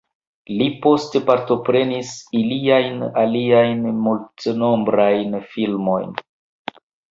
Li poste partoprenis iliajn aliajn multnombrajn filmojn.